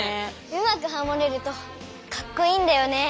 うまくハモれるとかっこいいんだよね。